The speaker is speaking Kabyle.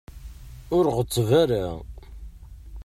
Ur ɣetteb ara.